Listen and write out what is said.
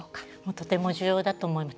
とても重要だと思います。